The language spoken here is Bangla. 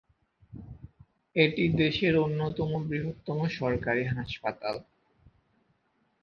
এটি দেশের অন্যতম বৃহত্তম সরকারি হাসপাতাল।